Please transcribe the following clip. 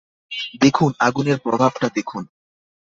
দেখুন, আগুনের প্রভাবটা দেখুন।